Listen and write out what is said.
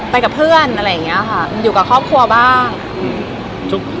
ไปกับเพื่อนอะไรอย่างเงี้ยค่ะอยู่กับครอบครัวบ้างอืม